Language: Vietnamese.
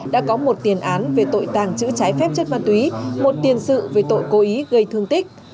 đã có một tiền án về tội tàng trữ trái phép chất ma túy một tiền sự về tội cố ý gây thương tích